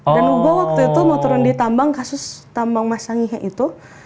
dan gue waktu itu mau turun di tambang kasus tambang mas sangihe itu